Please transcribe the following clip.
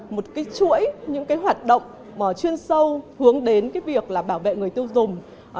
một chuỗi những hoạt động chuyên sâu hướng đến việc bảo vệ người tiêu dùng